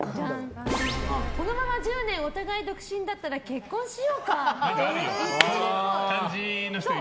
このまま１０年お互い独身だったら結婚しようか！と言っているっぽい。